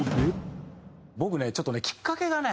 僕ねちょっとねきっかけがね。